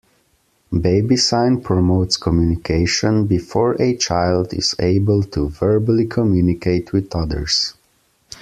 Baby sign promotes communication before a child is able to verbally communicate with others.